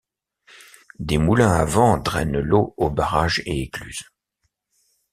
Des moulins à vent drainent l'eau aux barrages et écluses.